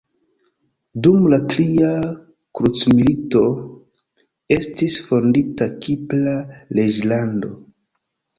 Dum la tria krucmilito estis fondita Kipra reĝlando.